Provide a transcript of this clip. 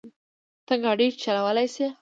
ته ګاډی چلولی شې؟